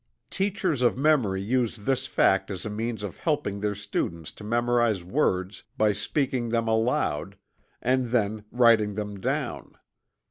Teachers of memory use this fact as a means of helping their students to memorize words by speaking them aloud, and then writing them down.